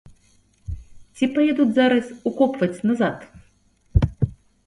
Ці паедуць зараз укопваць назад?